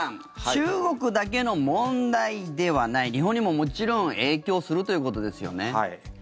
中国だけの問題ではない日本にももちろん影響するということですよね。